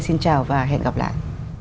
xin chào và hẹn gặp lại